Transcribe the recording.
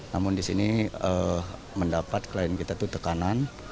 namun di sini mendapat klien kita itu tekanan